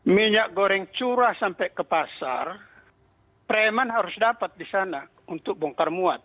minyak goreng curah sampai ke pasar preman harus dapat di sana untuk bongkar muat